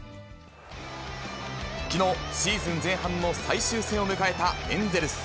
きのう、シーズン前半の最終戦を迎えたエンゼルス。